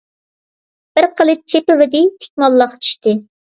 بىر قىلىچ چېپىۋىدى، تىك موللاق چۈشتى.